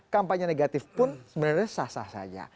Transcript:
kampanye negatif pun sebenarnya sah sah saja